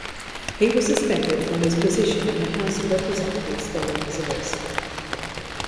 He was suspended from his position in the House of Representatives following his arrest.